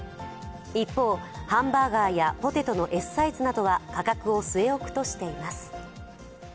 一方、ハンバーガーやポテトのＳサイズなどは価格を据え置くとしています。